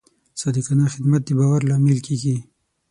صادقانه خدمت د باور لامل کېږي.